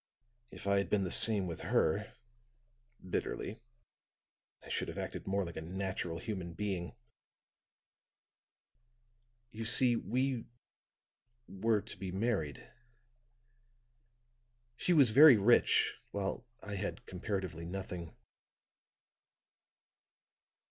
If I had been the same with her," bitterly, "I should have acted more like a natural human being. You see, we were to be married; she was very rich, while I had comparatively nothing.